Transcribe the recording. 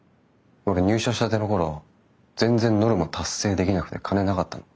俺入社したての頃全然ノルマ達成できなくて金なかったの。